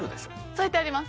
添えてあります。